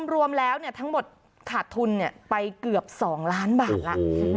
รวมแล้วทั้งหมดขาดทุนไปเกือบ๒ล้านบาทแล้ว